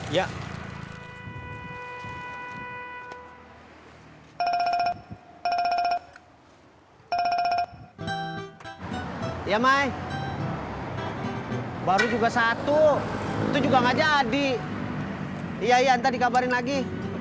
hai ya mai baru juga satu itu juga nggak jadi iya entah dikabarin lagi